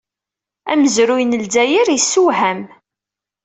Amezruy n Lezzayer yessewham.